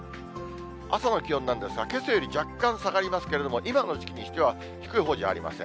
朝の気温なんですが、けさより若干下がりますけれども、今の時期にしては低いほうじゃありません。